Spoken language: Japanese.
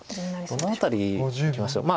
どの辺りいきましょう。